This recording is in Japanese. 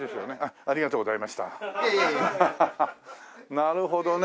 なるほどね。